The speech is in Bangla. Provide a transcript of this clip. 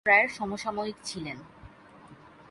তিনি রাজা রামমোহন রায়ের সমসাময়িক ছিলেন।